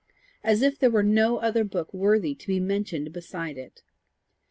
as if there were no other book worthy to be mentioned beside it.